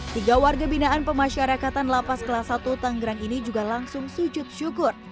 tiga warga binaan pemasyarakatan lapas kelas satu tanggerang ini juga langsung sujud syukur